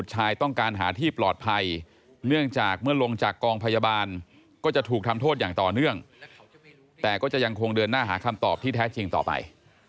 จากกองพยาบาลก็จะถูกทำโทษอย่างต่อเนื่องแต่ก็จะยังคงเดินหน้าหาคำตอบที่แท็กจริงต่อไป